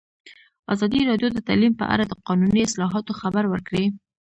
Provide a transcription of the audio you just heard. ازادي راډیو د تعلیم په اړه د قانوني اصلاحاتو خبر ورکړی.